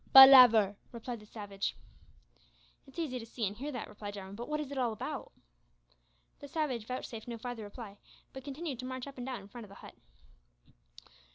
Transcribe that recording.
"Palaver," replied the savage. "It's easy to hear and see that," replied Jarwin, "but wot is it all about?" The savage vouchsafed no farther reply, but continued to march up and down in front of the hut.